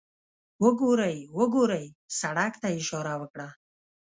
وګورئ، وګورئ، سړک ته یې اشاره وکړه.